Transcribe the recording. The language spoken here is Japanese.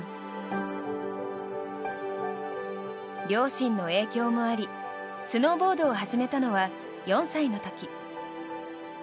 両親の影響もありスノーボードを始めたのは４歳の時。